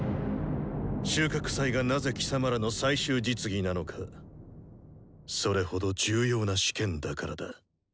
収穫祭がなぜ貴様らの最終実技なのかそれほど重要な試験だからだ。